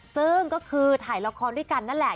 ซึ่งก็คือถ่ายละครด้วยกันนั่นแหละ